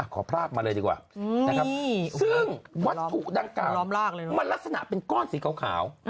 พรากมาเลยดีกว่านะครับซึ่งวัตถุดังกล่าวมันลักษณะเป็นก้อนสีขาว